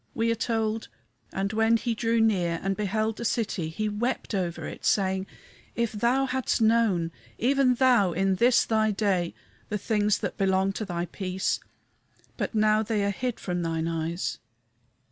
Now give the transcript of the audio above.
We are told "And when he drew near and beheld the city, he wept over it, saying, If thou hadst known, even thou in this thy day, the things that belong to thy peace! but now they are hid from thine eyes."